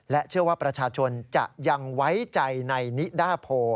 เชื่อว่าประชาชนจะยังไว้ใจในนิดาโพ